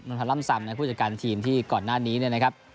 พันธร่ำซำนะผู้จัดการทีมที่ก่อนหน้านี้เนี่ยนะครับ